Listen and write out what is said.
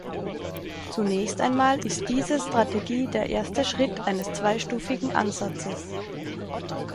Zunächst einmal ist diese Strategie der erste Schritt eines zweistufigen Ansatzes.